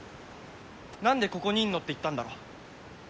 「何でここにいんの？」って言ったんだろ？